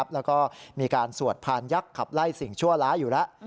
แล้วก็มีการสวดพานยักษ์ขับไล่สิ่งชั่วร้ายอยู่แล้ว